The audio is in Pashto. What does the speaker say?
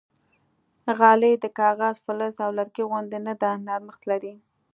غالۍ د کاغذ، فلز او لرګي غوندې نه ده، نرمښت لري.